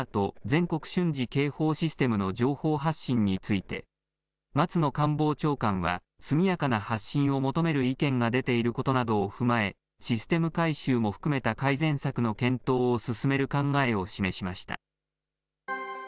・全国瞬時警報システムの情報発信について、松野官房長官は、速やかな発信を求める意見が出ていることなどを踏まえ、システム改修も含めた改善策の検討を進める考えを示しました。